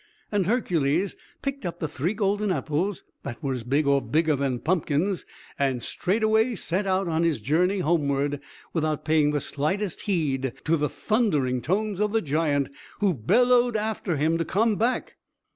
And Hercules picked up the three golden apples, that were as big or bigger than pumpkins and straightway set out on his journey homeward, without paying the slightest heed to the thundering tones of the giant, who bellowed after him to come back.